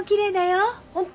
本当？